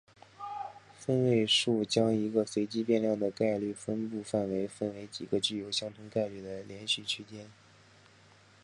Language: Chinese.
分位数将一个随机变量的概率分布范围分为几个具有相同概率的连续区间。